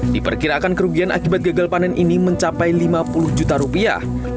diperkirakan kerugian akibat gagal panen ini mencapai lima puluh juta rupiah